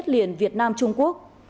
trên việt nam trung quốc